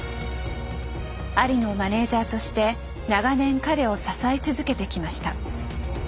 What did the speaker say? アリのマネージャーとして長年彼を支え続けてきました。